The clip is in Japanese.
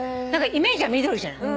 イメージは緑じゃない。